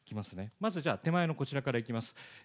まずじゃあ手前のこちらからいきます。